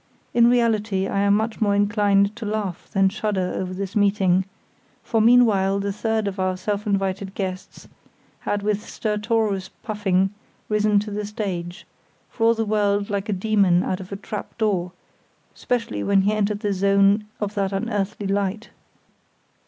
In reality I am much more inclined to laugh than shudder over this meeting; for meanwhile the third of our self invited guests had with stertorous puffing risen to the stage, for all the world like a demon out of a trapdoor, specially when he entered the zone of that unearthly light.